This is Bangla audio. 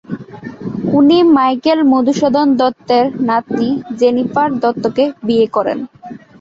উনি মাইকেল মধুসূদন দত্তের নাতনী জেনিফার দত্তকে বিয়ে করেন।